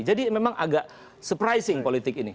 jadi memang agak surprising politik ini